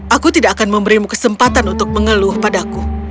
aku tidak akan memberimu kesempatan untuk mengeluh padaku